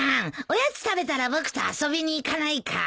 おやつ食べたら僕と遊びにいかないか？